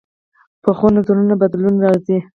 پخو نظرونو بدلون راځي